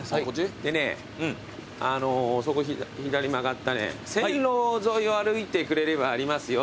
でねそこ左曲がった線路沿いを歩いてくれればありますよっていう。